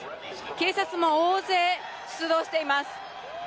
警察も大勢、出動しています。